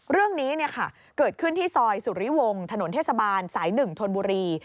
เรื่องนี้เกิดขึ้นที่ซอยสุริวงศ์ถนนเทศบาลสาย๑ธนบุรี